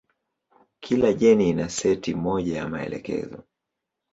Kila jeni ina seti moja ya maelekezo.